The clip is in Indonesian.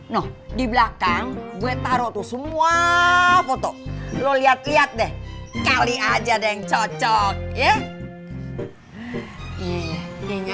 noh di belakang gue taruh semua foto lo lihat lihat deh kali aja deng cocok ya